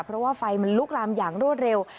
เพราะว่าไฟมันลุกลามอย่างรวดเร็ว